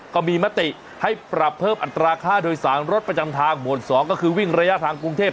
ก็มีมติให้ปรับเพิ่มอัตราค่าโดยสารรถประจำทางหมวด๒ก็คือวิ่งระยะทางกรุงเทพ